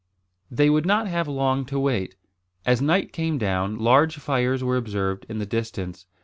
They would not have long to wait. As night came down, large fires were observed in the distance.